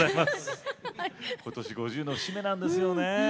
ことし５０の節目なんですよね。